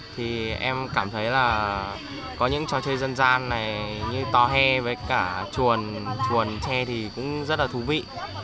thì em cảm thấy là có những trò chơi dân gian này như tòa hè với cả chuồn chuồng tre thì cũng rất là thú vị